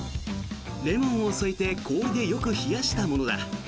レモンを添えて氷でよく冷やしたものだ。